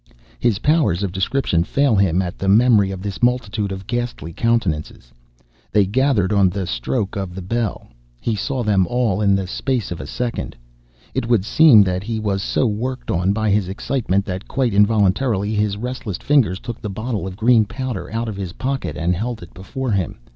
His powers of description fail him at the memory of this multitude of ghastly countenances. They gathered on the stroke of the bell. He saw them all in the space of a second. It would seem that he was so worked on by his excitement that, quite involuntarily, his restless fingers took the bottle of green powder out of his pocket and held it before him.